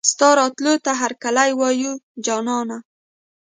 ستا راتلو ته هرکلی وايو جانانه